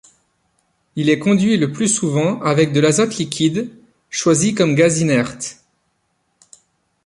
Il est conduit le plus souvent avec de l'azote liquide, choisi comme gaz inerte.